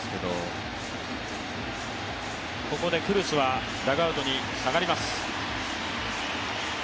ここでクルスはダグアウトに下がります。